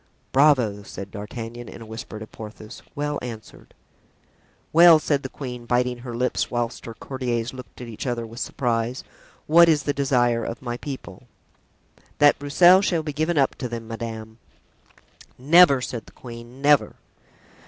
("Bravo," said D'Artagnan in a whisper to Porthos; "well answered.") "Well," said the queen, biting her lips, whilst her courtiers looked at each other with surprise, "what is the desire of my people?" "That Broussel shall be given up to them, madame." "Never!" said the queen, "never!"